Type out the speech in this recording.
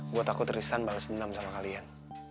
gua takut tristan bales dendam sama kalian